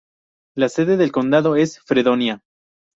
La sede del condado es Fredonia.